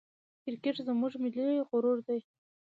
کرکټ زموږ ملي غرور دئ.